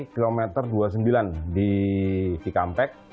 km dua puluh sembilan di kikampek